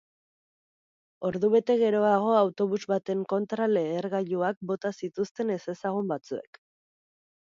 Ordubete geroago autobus baten kontra lehergailuak bota zituzten ezezagun batzuek.